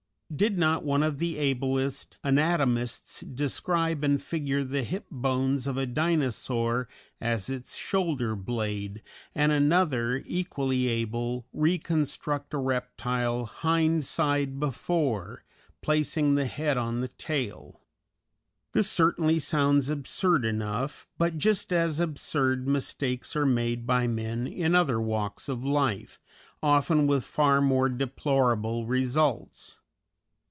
Did not one of the ablest anatomists describe and figure the hip bones of a Dinosaur as its shoulder blade, and another, equally able, reconstruct a reptile "hind side before," placing the head on the tail! This certainly sounds absurd enough; but just as absurd mistakes are made by men in other walks of life, often with far more deplorable results.